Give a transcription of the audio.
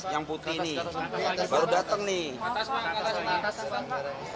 yang putri ini baru datang nih